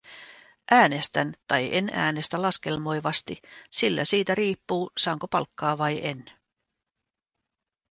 Äänestän tai en äänestä laskelmoivasti, sillä siitä riippuu, saanko palkkaa vai en.